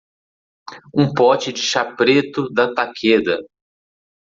um pote de chá preto da Takeda